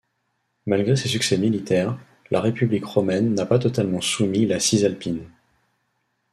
Malgré ces succès militaires, la République romaine n'a pas totalement soumis la Cisalpine.